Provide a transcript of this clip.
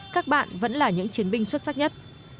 các bạn vẫn là những chiến binh xuất sắc nhất